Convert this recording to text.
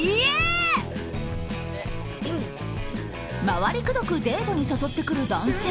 回りくどくデートに誘ってくる男性。